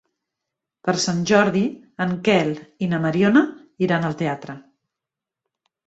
Per Sant Jordi en Quel i na Mariona iran al teatre.